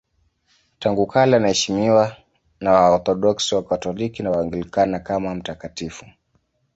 Tangu kale anaheshimiwa na Waorthodoksi, Wakatoliki na Waanglikana kama mtakatifu.